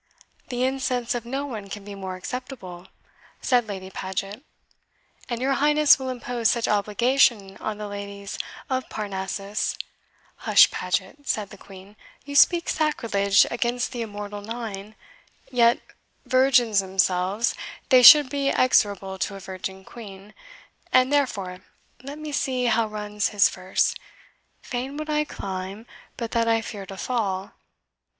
"The incense of no one can be more acceptable," said Lady Paget; "and your Highness will impose such obligation on the ladies of Parnassus " "Hush, Paget," said the Queen, "you speak sacrilege against the immortal Nine yet, virgins themselves, they should be exorable to a Virgin Queen and therefore let me see how runs his verse 'Fain would I climb, but that I fear to fall.'